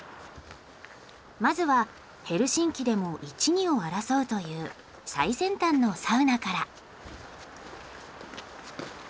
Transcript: まずはヘルシンキでも一二を争うという最先端のサウナから！